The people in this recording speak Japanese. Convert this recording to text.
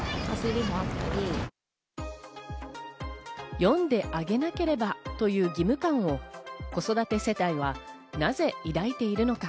読んであげなければという義務感を子育て世代はなぜ抱いているのか。